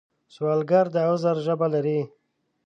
سوالګر د عذر ژبه لري